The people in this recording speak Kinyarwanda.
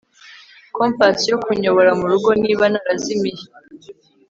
kompas yo kunyobora murugo niba narazimiye